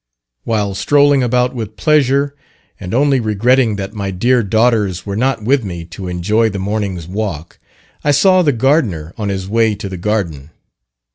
While strolling about with pleasure, and only regretting that my dear daughters were not with me to enjoy the morning's walk, I saw the gardener on his way to the garden.